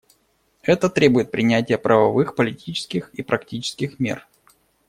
Это требует принятия правовых, политических и практических мер.